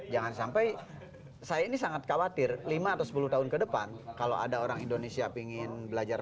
jangan sampai saya ini sangat khawatir lima atau sepuluh tahun ke depan kalau ada orang indonesia ingin belajar